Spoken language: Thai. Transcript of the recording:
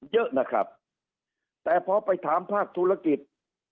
เยอะนะครับแต่พอไปถามภาคธุรกิจ